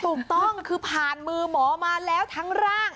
ถูกต้องคือผ่านมือหมอมาแล้วทั้งร่าง